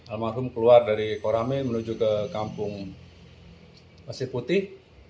almarhum keluar dari korame menuju ke kampung pasir putih